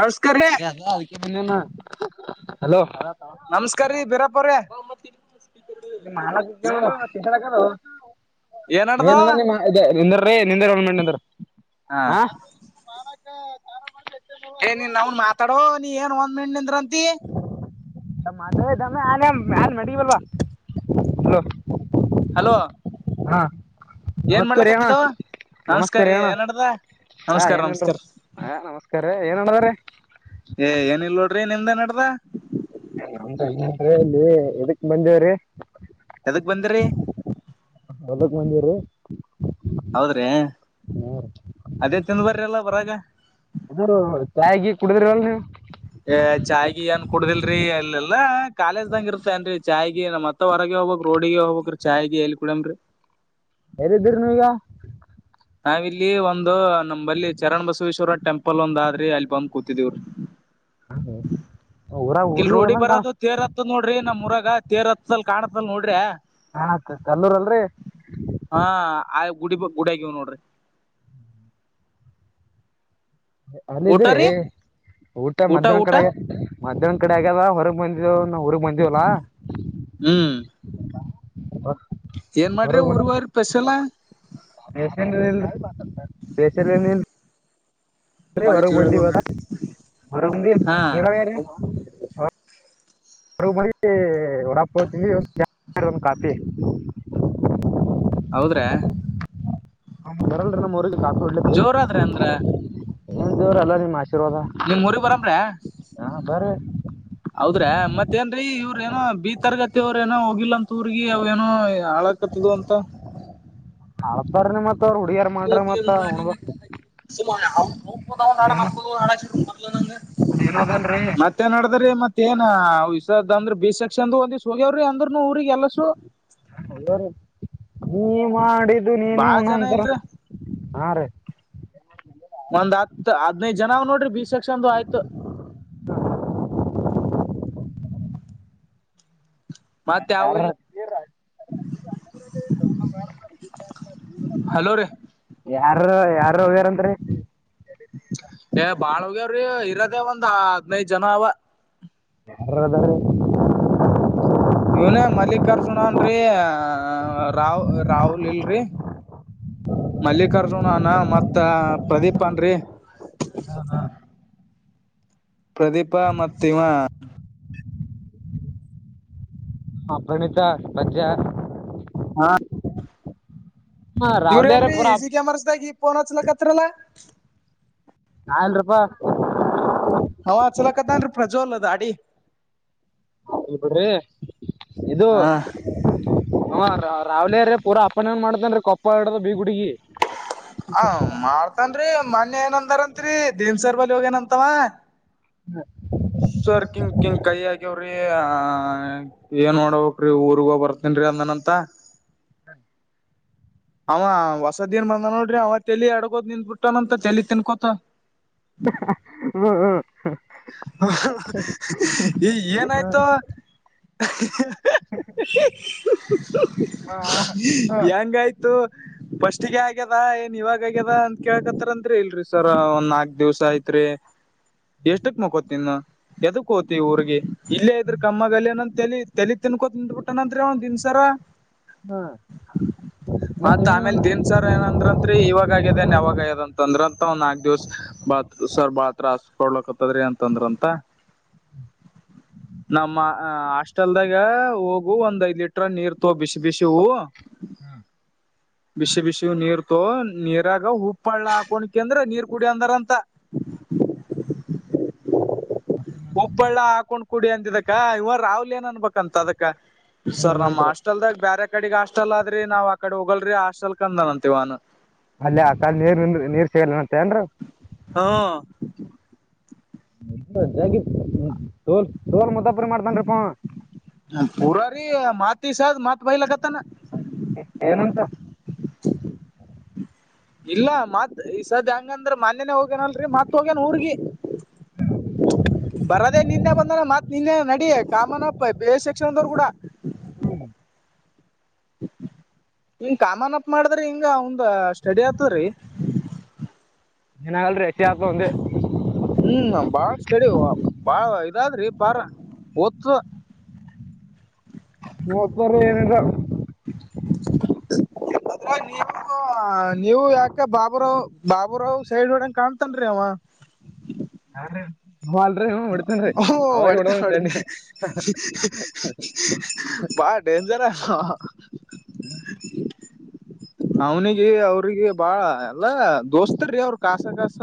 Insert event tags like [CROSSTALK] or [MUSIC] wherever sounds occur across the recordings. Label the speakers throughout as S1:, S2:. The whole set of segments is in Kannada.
S1: ನಮಸ್ಕಾರ್ರೀ
S2: ಹಲೋ
S1: ನಮಸ್ಕಾರೀ ಬೀರಾಪ್ಪ ಅವ್ರ
S2: ಮಾಲಕ
S1: ಏನ್ ನಡ್ದ
S2: ಏನಂದ ನಿಮ್ಮ ನಿಂದೀ ನಿಂದ್ರ ಒನ್ ಮಿನಿಟ್ ಮಿಂದ್ರಿ
S1: ಹಾ ಏ ನೀನ್ ನಾವನ್ ಮಾತಾಡೋ ನೀ ಏನ್ ಒಂದ್ ಮಣ ನಿಂದ್ರಂತಿ
S2: ಮ್ಮ ಆನ್ ಮಡಲ್ವಾ
S1: ಹಲೋ
S2: ಹಾ
S1: ಏನ್ ಮಾಡ್ಲಕ್ಕತ್ತಿದಾವ
S2: ನಮಸ್ಕಾರ ಣ್ಣ ಹ
S1: ನಮಸ್ಕಾರ
S2: ಏನರು
S1: ನಮಸ್ಕಾರ
S2: ಹ ನಮಸ್ಕಾರ ಏನಣದ್ರ
S1: ಏ ಏನಲ್ ನೋಡ್ರಿ ನಿಮ್ದ ನಡ್ರ
S2: ಇಲ್ಲಿ ಎದಕ್ ಬಂದೇವ್ರೀ
S1: ಎದಕ್ ಬಂದ್ರಿ
S2: ಹ
S1: ಹೌದ್ರಿ ಅದೇ ತಿಂದು ಬರ್ರಲ್ಲ ಬರಾಗ
S2: ಅ ಚಾಯಗ ಕುಡಿದ್ರ ಅಲ್ ನೀ
S1: ಚಾಯ್ಿಗೆ ಏನ್ ಕುಡುದಿಲ್ರಿ ಇಲ್ಲೆಲ್ಲ ಕಾಲೇಜ್ದಂಗ ಇರ್ತನ್ೀ ಚಾಯ್ಿಗೆ ಮತ್ತ ಹೊರಗೆ ಹೋಗಬಬೇಕ ರೋಡಿಗೆ ಹೋಗಕ್್ ಚಾಯ್ಗೆ ಎಲ್ ಕುಡಮೀ
S2: ಎದ ಇದಿದ್ದೀರಿ ನೀ ಈಗ
S1: ನಾವಿಲ್ಲಿ ಒಂದು ನಮಲ್ಲಿ ಚರಣ್ ಬಸವೇಶ್ವರ ಟೆಂಪಲ್ ಒಂದ ಆದ್ರಿ ಅಲ್ಲಿ ಬಂದ್ ಕೂತಿದೀವ್ರಿ
S2: ಊರಾಗ
S1: ಕೆಲ್
S2: ಊರಿಗ್
S1: ರೋಡಿ
S2: ಹೋದಂಗ್ ಕಾಣ
S1: ಬರದು ತೇರ್ ಹತ್ ನೋಡ್ರಿ ನಮ್ಮ್ ಮುರಗ ತೇರ್ ಹತ್ತಲ್ ಕಾಣ ಇ ನೋಡ್ರಿ
S2: ಹಾತ್ ಕಲ್ಲೂರ್ ಅಲ್ರಿ
S1: ಹಾ ಆ ಗುಡಿ ಗುಡ ಆಗಿವ ನೋಡ್ರಿ ಊಟ
S2: ಅಲ್ಲಿದ್ರಿ
S1: ರೀ
S2: ಊಟ ಮಧ್ಯಾಹ್ನ ಕಡೆಗೆ ಮಧ್ಯಾಹ್ನ್ ಕಡೆ ಆಗ್ಯದ ಹೊರಗ್ ಬಂದಿದವ ನಾ ಊರಗ್ ಬಂದವಲ್ಲ
S1: ಹ್ಮ್
S2: ಹ
S1: ಏನ್ ಮಾಡ್ರಿ ಊರ್ವಾರ ಪೆಷಲಾ
S2: ಬೇಸಲ್ ಬೇಸ ಇಲ್ ಅ ಹೊರಗ ಮಂದಿ ಬ ಹೊಂದ
S1: ಹಾ
S2: ಒಂದು ಕಾಫಿ
S1: ಹೌದ್ರಾ
S2: ಕಾಸಡ್
S1: ಜೋರಾದ್ರಿ ಅಂದ್ರ
S2: ಏನ್ ದೇವ್ರ ಅಲ್ಲ ನಿಮ್ಮ್ ಆಶೀರ್ವಾದ
S1: ನಿಮ್ ಊರಿಗ್
S2: ಹಾ ಬರೀ
S1: ಹೌದ್ರೆ ಮತ್ತೆ ಅತ್ತೇನ್ರೀ ಇವ್ರ ಏನೋ ಬಿ ತರಗತಿ ಅವ್ರ ಏನೋ ಹೋಗಿಲ್ಲ ಅಂತ ಊರ ಅವ್ ಏನೋ ಹಾಳಾಕತ್ತದ ಅಂತ
S2: ಹಾಳ ಬ್ರಿ ಮತ್ತೆ
S1: ು ನ
S2: ಅದೇನು ಅದೇನೋ ಅದಲ್ರಿ
S1: ಮತ್ತೆ ನಡದ್ರೀ ಮತ್ತ ತ್ತೇನಾ್ದ ಅಂದ್ರ ಬಿ ಸೆಕ್ಷನ್ ಒಂದ ಹೋಗ್ಯವ್ರಿ ಅಂದ್ರರುನು ಊ್ರಗ್ ಎಲ್ಲಸು
S2: ನೀ ನೀ ಮಾಡಿದ್ದು ನೀನು
S1: ಬಾಳ ಜನ
S2: ನಂತರ
S1: ಇಲ್ರಿ
S2: ಹಾ ರೀ
S1: ಒಂದ್ ಹತ್ತು ಹತ್ತು [UNINTELLIGIBLE] ಜನ ನೋಡ್ರಿ ಬೀಸಕ್ಷಂದು ಆಯ್ತು [INAUDIBLE] ಮತ್ತ್ಯಾವಿಲ್ಲ
S2: ಯಾರ [INAUDIBLE] ಯಾರ ಯಾರ ಹೋಗ್ಯಾರಂತರಿ
S1: [INAUDIBLE] ಏ ಬಾಳ್ಗೆ್ಯ್ರಿ ಇರದೇ ಒಂದ ಹದ್ನೈದ ಜನ ಅವವ
S2: [UNINTELLIGIBLE]
S1: [INAUDIBLE] ಇವ್ನೇ ಮಲ್ಲಿಕಾರ್ಜುನ ಅನ್ರರಿ ರಾಾವ ರಾಹುಲ್ ಇಲ್ರಿ ಮಲ್ಲಿಕಾರ್ಜುನ ಅನ ಮತ್ತ ಪ್ರದೀಪ್ ಅನ್ರಿ [INAUDIBLE] ಪ್ರದೀಪ ಮತ್ತ ಇವ
S2: ಹ ಪ್ರಣಿತ ಬಜ್ಯ [UNINTELLIGIBLE]
S1: ಹಾ
S2: ಹಾ
S1: ಇವ್ರ
S2: ರಾವ್ಲಿಯಾರ
S1: ಏನ್ರೀ
S2: ಪುರ
S1: ಎ [UNINTELLIGIBLE] ಸಿ ಕ್ಯಾಮರಸ್ [UNINTELLIGIBLE] ಗಿ ಪೋನ್ ಹಚ್ಲಕ್ತ್ತರಲ್ಲಾ
S2: ನಾ ಅಲ್ರೀ ಅಪ್ಪ
S1: ಹವ ಅಚಲಕತ್ತನ್ರಿ ಪ್ರಜ್ವಲ್ ದಾಡಿ
S2: ಇಳ್ಬ [UNINTELLIGIBLE] ಡ್ರಿ ಇದು
S1: ಹಾ
S2: [UNINTELLIGIBLE] ಅವ ರ್ರಾವ್ರೀ ಪೂರ ಅಪ್ಪನ್ ಮಾಡತೇನ್ [UNINTELLIGIBLE] ಕೊಪ್ಪಡದ ಬಿೀಗುಡಗಿ
S1: ಹ ಮಾಡ್ತನ್ರಿ ಮೊನ್ನೇ ಏನಂದಾರತ್ರಿ [UNINTELLIGIBLE] ದೀನ್ಸಾರ್ ಬಳಿ ಹೋಗೇನಂತವ [INAUDIBLE] ಸರ್ ಕಿಂಕಿಂ ಕೈ ಆಕ್ಯವ್ರಿ ಆ ಏನ್ ಮಾಡಬೇಕು [UNINTELLIGIBLE] ಊರ್ಗ ಬರ್ತೀನಿ ರೀ ಅಂದ್ನಂತ
S2: ಹ್ಮ [INAUDIBLE]
S1: ಅವ ಹೊಸದಿನ್ ಬಂದ ನೋಡ್ರಿ ಅವ ತಲಿ ಅಡಗೋದ್ ನಿಂದ್ಬಿಟ್ಟನಂತ ತಲಿ ತಿನ್ಕೊತ
S2: ಹ್ಮ್ [UNINTELLIGIBLE]
S1: ಹ ಹ ಏ ಏನಾಯ್ತೋ [UNINTELLIGIBLE] ಹ್ಹೀಹಾ ಹೆಂಗಾಯ್ತು ಫಸ್ಟ್ಗೆ ಆಗ್ಯದ ಏನ್ ಇವಾಗ ಆಗ್ಯದ ಅಂತ ಕೇಳ್ಕತ್ತರ್ಂದರಿ ಇಲ್ರಿ ಸರ್ ಒಂದ್ ನಾಕ್ ದಿವ್ಸ ಆಯ್ತರಿ ರೆ ಎಷ್ಟಕ್ ಮಕೋತಿನ್ ಎದಕ್ ಹೋಗ್ತಿವಿ ಊರ್ರಿಗೆ ಇಲ್ಲೇ ಇದ್ರ ಕಮ್ಮ [UNINTELLIGIBLE] ಗಲ್ ಅನಂತ ತಲಿ ತಲಿ ತಿನ್ಕೊತ ನಿಂತ್ಬಿಟವನಂತೆ ಅವ ದನ್ಸರ
S2: ಹಾ
S1: [INAUDIBLE] ಮತ್ ಆಮೇಲ್ ದನ್ಸಾರ ಏನಂದ್ರಂತ್ರಿ ಇವಾಗ ಆಗೇನ್ ಯಾವಾಗದಂತ ಅಂದ್ರ ಅಂತ ಒಂದ ನಾಕ್ ದಿವ್ಸ ಬತ್ [UNINTELLIGIBLE] ಸರ್ ಬಾಳತ್ರಾಸ ಕೊಡ್ಲಕತ್ತದ್ರಿ ಅಂತಂದ್ರಂತ [INAUDIBLE] ನಮ್ಮ ಹಾಸ್ಟೆಲ್ದಾಗ ಹೋಗು ಒಂದ್ ಐದ್ ಲೀಟ್ರ ನೀರ್ ತ ಬಿಸಿ ಬಿಸಿವು
S2: ಹ್ಮ
S1: ಬಿಸಿ ಬಿಸಿ ನೀರ್ತೋ ನೀರಾಗ ಉಪ್ಪಳ್ಳ [UNINTELLIGIBLE] ಹಾಕೋಡಕಂದ್ರ ನೀರ್ ಕುಡಿ ಅಂದ್ರಾಂತ [INAUDIBLE] ಉಪ್ಪಳ್ಳ ಹಾಕೊಂಡ್ ಕುಡಿ ಅಂದಿದಕ್ಕ ಇವ ರಾಹುಲ್ ಏನ್ ಅಂಬೇಕಂತ ಅದಕ್ಕ ಸರ್ ನಮ್
S2: ನಂತರ
S1: ಹಾಸ್ಟೆಲ್ದಾಗ ಬೇರೆ ಕಡೆ ಹಾಸ್ಟೆಲ್ ಆದ್ರಿ ನಾವ್ ಆ ಕಡೆ ಹೋಗಲ್ರಿ ಹಾಸ್ಟೆಲ್ ಕಂದನನ್ತಿವನನು
S2: [UNINTELLIGIBLE] ಅಲ್ಲ ಆ ಕಾಲ ನೀರ್ ನಿಂದ ನೀರ್ ಸೇಗಲ್ಲನತ್ತ ಏನ್
S1: ಹ್ಮ್
S2: [UNINTELLIGIBLE] ೋಲ್ [UNINTELLIGIBLE] ಟೋಲ್ ಮದಾಬ್ರ ಮಾಡ್ತನ್ರಿಪ್ಪಾ
S1: ಪೂರಾರಿ ಮತಿ ಸ್ ಮತ್ ಬಯಲಕತಾನ
S2: ಏನಂತ
S1: ಇಲ್ಲ ಮತ್ ಈ ಸದ ಹೆಂಗಂದ್ರ ಮಾನ್ಯನೆ ಹೋಗ್ಯೇನಲ್ರಿ ಮತ್ ಹೋಗ್ಯನ ಊರ್ಗಿ ಬರದೆೇ ನಿನ್ನೆ ಬಂದನಾ ಮತ್ ನಿನ್ನೆ ನಡಿ ಕಾಮನ್ ಅಪ್ಪ ಬೇರೆ ಸೆಕ್ಷನ್ ದವರು ಕೂಡ
S2: ಹ್ಮ
S1: ಹ್ಮ [INAUDIBLE] ಹಂಗ [UNINTELLIGIBLE] ಕಾಮನ್ಪ್ ಮಾಡದ್ರಿ ಹಿಂಗಅವಂದು ಸ್ಟಡಿ ಆತದ್ರಿ
S2: ಏನಗಲ್ರಿ
S1: [INAUDIBLE] ಹ್ಮ್ ನ ಬಾಳ ಸ್ಟೆಡಿ ಬಾಳ [UNINTELLIGIBLE] ಅದ್ರಿ ಪರ ಒತ್ತು [INAUDIBLE]
S2: [UNINTELLIGIBLE] ಹದ್ತಾರ ಏನರ
S1: [UNINTELLIGIBLE] ಎತ್ರ ನೀ [UNINTELLIGIBLE] ನೀವು ಯಾಕ ಬಾಬುರಾವ್ ಬಾಬೂರಾವ್ ಸೈಡ್ ಹೊಡಂಗ ಕಾಣ್ತನ್ರಿ ಅವ ಹ [UNINTELLIGIBLE]
S2: [INAUDIBLE] ಹದ
S1: ಓ ಹೊಡಿತಾ
S2: ತಣ್ಣಿ
S1: ಹೊಡಿತಾ ಬಾಳ ಡೇಂಜರ್ [UNINTELLIGIBLE] ಹಾ [UNINTELLIGIBLE] ಅವನಿಗೆ ಅವ್ರಿಗಿ ಬಾಳ ಎಲ್ಲ ದೋಸ್ತರಿ ಅವ್ರ ಕಾಸ ಕಾಸ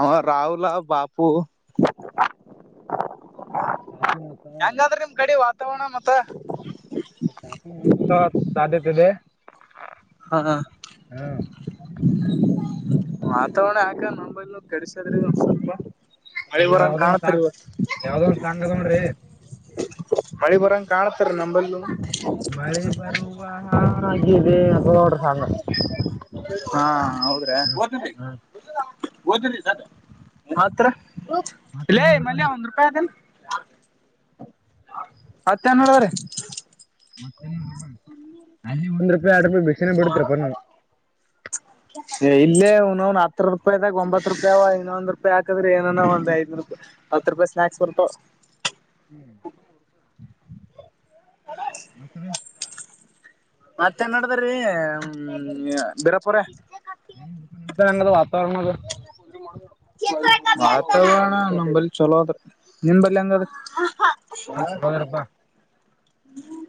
S1: ಅವ ರಾಹುಲ್ ಬಾಪು ಎಂಗಾದ್ರಿ ನಿಮ್ ಕಡಿ ವಾತಾವರಣ ಮತ್ತ
S2: ಮಳಿ ಬರುವ ಸಾಧ್ಯತೆ ಇದೆ
S1: ಹಾ ಹಾ
S2: ಹ್ಮ
S1: ವಾತಾವರಣ ಯಾಕೆನಂಬೈಲ್ ಕಡಿಸದ್ರಿ ಒಂದ ಸ್ವಲ್ಪ ಮಳೆ
S2: ಅದು
S1: ಬರಂಗ
S2: ಯಾವ್ದೋ ಒಂದ್
S1: ಕಾಣತರಿ
S2: ಸಾಂಗ್
S1: ಇವತ್ತ
S2: ಯಾವ್ದೋ ಒಂದ್ ಸಾಂಗ್ ಅದ ನೋಡ್ರಿ
S1: ಮಳಿ ಬರಂಗ ಕಾಣತರೀ ನಂಬಲ್ಲು
S2: ಹ ಗೋಡ್ರ ಸಂಗ [UNINTELLIGIBLE]
S1: ಹಾ ಹೌದ್ರೆ ಓದತಿ ಓ ಮತ್ರಿ ಇಲ್ಲೇ
S2: ಮತ್ತೇನಂದ್ರಪ್ಪ ನಿಮ್
S1: ಮಲ್ಯ ಒಂದ್ ರೂಪಾಯಿ ಅದೇನ್ ಮತ್ತೇನ್ ನಡದರಿ
S2: ತ್ತ ಅಲ್ಲಿ ಒಂದ್ ರೂಪಾಯಿ ಎರಡ ರೂಪಾಯಿ ಬಿಕ್ಷೆನೆ ಬೇಡತ್ರಪ್ಪ
S1: ಹ [UNINTELLIGIBLE] ಇಲ್ಲ್ ಲೇ ಇವನೌನ ಹತ್ರ ರೂಪಾಯಿದಾಗ ಒಂಬತ್ತ್ ರೂಪಾಯಾವ ಇನ್ನೊಂದು ರೂಪಾಯಿ ಹಕಿದ್ರ ಏನ ಒಂದ್ ಐದ್ ರೂಪಾಯಿ ಹತ್ ರೂಪಾಯಿ ಸ್ನಾಕ್ಸ್ ಬರತ್ತಾವ
S2: ಹ್ಮ್ ಮತ್ತ ರಿ
S1: ಮತ್ತೇನ್ಡದ್ರೀ ಹ ಬಿರಾಪುರ
S2: ತಂಗ ವಾತಾವರಣ ಅದು
S1: ವಾತವರಣ ನಂಬಲ್ಲಿ ಚಲೋ ಅದ್ರ ನಿಮಂಬಲ್ಲಿ ಹೆಂಗಾದ್ರಿ
S2: ಚಲೋದಿರಪ್ಪ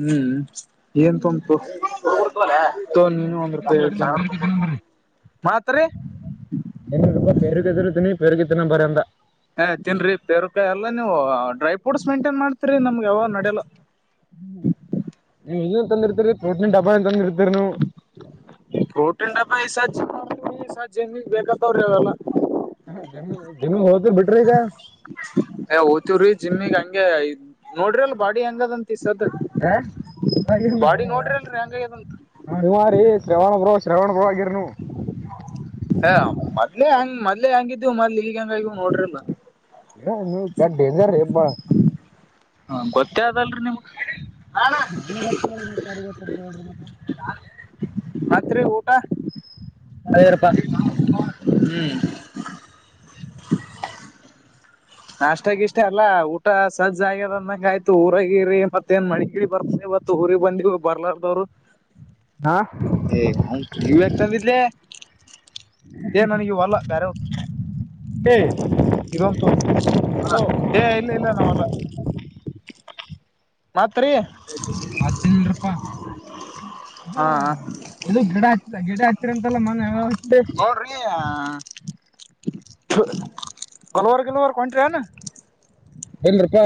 S1: ಹ್ಮ್ ಏನ್ನ ತೋಮ್ಮ ತೋ ತೋ ನೀನು ಒಂದ್ ರೂಪಾಯ
S2: ಎನಪ್ಪ ಬರುಗೆದುರು ತಿನಿ ಪರುಗೆ ದಿನ ಬರಂತ
S1: ಏ ತಿನ್ರಿ ಪೇರಕಾಯಿ ಎಲ್ಲಾ ನೀವು ಡ್ರೈ ಫ್ರೂಟ್ಸ್ ಮೇಂಟೇನ್ ಮಾಡ್ತೀರಿ ನಮ್ಗೆ ಯಾವ ನಡಲ್ಲ
S2: ಹ್ಮ ಹ್ಮ ತಂದ ಇರ್ತೀರಿ ಪ್ರೋಟೀನ್ ಡಬ್ಬಾ ಇಲ್ಲದನ ಇರ್ತರಿ ನೀವು
S1: ಜಿಮ್ ಮಾಡ್ತೀವಿ ಸರ್ ಜಿಮ್ಮಿಗ್ ಬೇಕಾತವ್ರಿ ಅವೆಲ್ಲಾ
S2: ಹ ಜಿಮಿಗ್ ಹೋತಿರ ಬಿಟ್ರಿ ಈಗ
S1: ಜಿಮ್ಗ್ ಹಂಗೆ ನೋಡ್ರಿ ಅಲ್ ಬಾಡಿ ಹೆಂಗದಂತ ದ
S2: ಈಗ
S1: ಬಾಡಿ ನೋಡ್ರಿ ಅಲ್ರಿ ಹೆಂಗದಂತ
S2: ನೀವ ರೀ ಶ್ರವಣ ಬ್ರೋ ಶ್ರವಣ ಬ್ರೋ ಆಗಿರ್ ನೀವು
S1: ಎ ಮೊದ್ಲೆೇ ಹಂಗ್ ಮೊದ್ಲೆೇ ಹಂಗಿದ್ದು ಮೊದ್ಲ ಈಗ ಈಗ ಹೆಂಗಾಗಿವ ನೋಡ್ರಿಲ್ಲ
S2: ಏ, ನೀವು ಕೆಟ್ಟ ಡೇಂಜರ್ ರೀ ಅಪ್ಪ
S1: ಹ್ಮ ಗೊತ್ತೇ ಅದಲ್ರಿ ನಿಮ್ ಮತ್ತ ರೀ ಊಟಾ
S2: ಆಗಿದ್ರಿಪಾ
S1: [UNINTELLIGIBLE] ನಾಷ್ಟಾಗಿಷ್ಟ ಎಲ್ಲ ಊಟ ಸಜ್ಜ್ ಆಗ್ಯದಂದಂಗ ಆಯ್ತು ಊರಗಿರಿ ಮತ್ತೇಏನ್ ಮಳಿಗಿಳಿ ಬರ್ತ ಇವತ್ತ ಊರಿಗೆ ಬಂದಿವಿ ಬರ್ಲಾರ್ದವ್ರು
S2: ಹಾ
S1: ಏ ಇವ ನೀವೌನ ಇವು ಯಾಕ ತಂದಿದಲ್ಲೆ ಏ ನನಗ ಇವಲ್ಲ ಬೇರೆ ಇದು ಒಂದು ತೋಗ ಹ ಏ ಇಲ್ಲ ಇಲ್ಲ ನಾವಲ್ಲ ಮತ್ರಿ
S2: ಮತ್ತೇನಿಲ್ರಿಪಾ ಇ
S1: ಹಾ
S2: ಇದು ಗಿಡ ಹ ಗಿಡ ಅಂತೆಲ್ಲ ಮನ್ನೆ
S1: ನೋಡ್ರಿ ಹಾ ಕಲ್ವರ್ ಗಲ್ವರ್ ಕೊಂಟನು
S2: ಏನ್ರೀಪಾ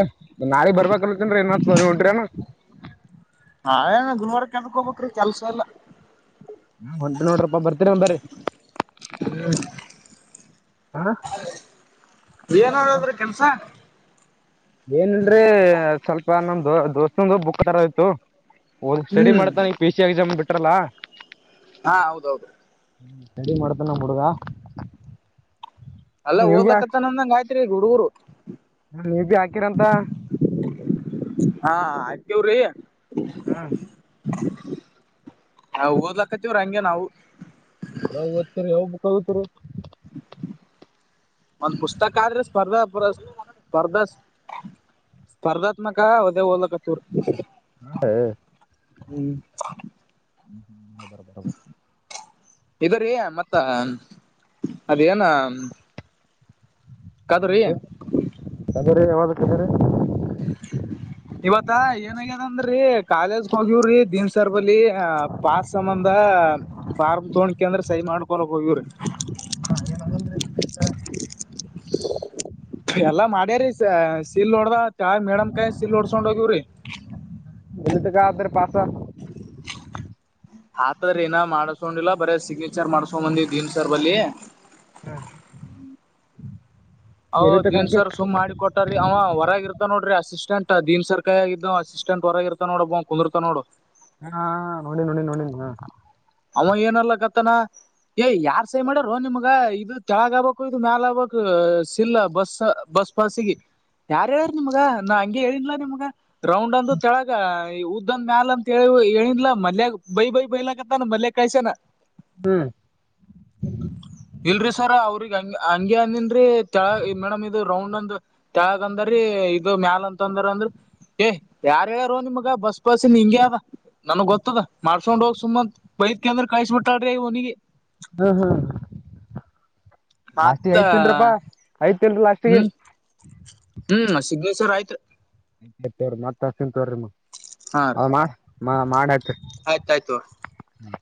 S2: ನಾಳಗ್ ಬರ್ಬೇಕಲ್ತ್ತೇನ್ರೀ ಇನ್ತ್ದೆನ ನೀವ ಹೊಂಟ್ರಿನು
S1: ಹೇ ಗುಲಬರಕ್ಕ ಎದಕ್ಕ ಹೋಗಬೇಕ್ರಿ ಕೆಲ್ಸ ಎಲ್ಲ
S2: ಹೊಂಟಿ ನೋಡ್ರಪ್ಪಾ ಬರ್ತೀರ ಒ ಬ್ರ [INAUDIBLE] ಹ
S1: ಏನದ್ರ ಕೆಲ್ಸ
S2: ಏನಲ್ರೀ ಸ್ವಲ್ಪ ನಮ್ದ ದೋಸ್ತಂದು ಬುಕ್ ತರ ಆಯ್ತು ಹಓದ್ ಸ್ಟಡಿ
S1: ಹ್ಮ್
S2: ಮಾಡ್ತಾನೆ ಪಿ ಸಿ ಎಕ್ಸಾಮ್ ಬಿಟ್ರಲ್ಲಾ
S1: ಹಾ ಹೌದೌದು
S2: ಹ್ಮ ರೆಡಿ ಮಾಡತ ನ ಹುಡುಗ
S1: ಅಲ್ಲಾ
S2: ನೀವು
S1: ಓದಲಕ್ಕತ್ತ ಅಂದಂಗ ಆಯ್ತ್ರಿ ಹುಡುಗರು
S2: ಹ ನೀ ಬಿ ಹಾಕಿರಂತ
S1: ೇವ್ರಿ
S2: ಹಾ
S1: ನಾ ಓದ್ಲಕ್ಕತ್ತವ್ರ ಹಂಗಗೆ ನಾವು
S2: ನಾವ ಓ್ತರಿ ಹೋಗ್ಬುಕ್ ಹಗತಿರಿ
S1: ಒಂದ ಪುಸ್ತಕ ಆದ್ರೆ ಸ್ಪರ್ಧಾ ಪ ಸ್ಪರ್ಧಾ ಸ್ಪರ್ಧಾತ್ಮಕ ಉದೇ ಲಕ ತೂರ್ ಹ್ಮ್
S2: ಬರ ಬರಬ
S1: ಇದರ ಮತ್ತ ಅದೇನ ಕದ್ರಿ
S2: ಹ ಕದರಿ ಯಾವ್ದ ಕದರಿ
S1: ಹೋಗಿವವ್ರಿ ದಿನ ಸರ್ಬಲ್ಲಿ ಅ ಪಾಸ್ ಸಂಬಂಧ ಫಾರ್ಮ್ ತಗೋೊಂಡಕ ಅಂದ್ರೆ ಸೈ ಮಾಡ್ಕೊಳಕ್ ಹೋಗವ್ರಿ
S2: ಹಾ ಏನಂದ್ರೆ ನ ಹೇಳ್ತ
S1: [INAUDIBLE] ಎಲ್ಲಾ ಮಾಡ್ಯಾರ ಶೀಲ್ ನಡ್ದ ತಾ ಮೇಡಮ್ ಕಾಯ ಶೀಲ್ ಹೊಡ್ಸ್ಕೊಂಡ್ ಹೋಗವ್ರಿ
S2: ದದಗ ಆದ್ರೆ ಪಾತ್ರ
S1: ಆತದ್ರ ಏನ ಮಾಡಸ್ಕೊಂಡಿಲ್ಲ ಬರ ಸಿಗ್ನೇಚರ್ ಮಾಡ್ಸ್ಕೊಂಡ್ ಬಂದಿವ್ ದೀನ್ ಸರ್ ಬಳಿ
S2: ಹಾ
S1: ಅವ್ ದಿನನ್ಸಾರ ಸುಮ್ ಮಾಡಿ ಕೊಟ್ಟಾರೀ ಅವ ಹೊರಗ ಇರ್ತ ನೋಡ್ರಿ ಅಸಿಸಷ್ಟ ಸೆಂಟ್ ದೀನ್ ಸರ್ಕಾಯ ಆದ್ದು ಅಸಿಸ್ಟೆಂಟ್ ಹೊರಗ ಇತ ನೋಡಬ ಕುದರತನ ನೋಡು
S2: ಹಾ ನೋಡಿ ನೋಡಿ ನೋಡನ್ ನ
S1: ಅವ ಏನಲ್ಲ ಕತ್ತನ ಏ ಯಾರ್ ಸೈ ಮಾಡ್ಯಾರ ರೋ ನಿಮ್ಗ ಇದು ತೆಳಗ ಆಬೇಕು ಇದು ಮ್ಯಾಲ ಆಬೇಕು ಸಿಲ್ಲ ಬಸ್ ಬ ಸ್ಪಾಸಿಗೆ ಯಾರ ಹೇಳಾರ ನಿಮ್ಗ ನಾ ಹಂಗೆ ಹೇಳಿದಲ ನಿಮ್ಗ ರೌಂಡ್ ಅಂದ ಕೆಳಗ ಈ ಉದ್ದಂದ ಮ್ಯಾಲ ಅಂತ ಹೇಳ ಹೇಳಿಂದಲಾ ಮಲ್ಯಾಗ ಬೈ ಬೈ ಬೈಲ ಮಲ್ಲ ಕಾಯಸನ ಇಲ್ರಿ ಸರ ಅವ್ರಿಗೆ ಹಂಗೆ ಅಂದಿನ್ ತೆಳ ಮೇಡಮ್ ಇದು ರೌಂಡ್ ಅಂದ್ ತೆಳಗ ಅಂದ್ರೀ ಇದು ಮ್ಯಾಲ ಅಂತ ದ ಅಂದ್ರರು ಏ ಯಾರ ಹೇಳಾರ ನಿಮ್ಗ ಬಸ್ ಪಸ್ನ ಹಿಂಗಗೆ ಅದ ನನ್ಗ್ ಗೊತ್ತದ ಮಾಡ್ಸ್ಕೊಂಡ್ ಹೋಗ್ ಸುಮ ಬೈದಕ ಅಂದ್ರ ಕಳ್ಸ ಬಿಟ್ಟಳ್ರಿನಿಗೆ
S2: ಹ್ಮ್ ಹ್ಮ್ ಜಾಸ್ತಿ
S1: ಮತ್ತ
S2: ಐತೇನ್ರಪ್ಪಾ ಐತ್ ಲಾಸ್ಟ್ಗೆ
S1: ಹ್ಮ್ ಹ್ಮ್ ಸಿಗ್ನೇಚರ್ ಆಯ್ತ್ರಿ
S2: ಮತ್ ಹಸಿನ್ ತೋರಿ ಮಾಡತ್ರಿ
S1: ಆಯ್ತಾಯ್ತು
S2: ಹ್ಮ್